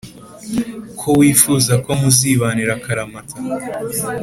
ko wifuza ko muzibanira akaramata,